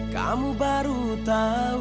kamu baru tau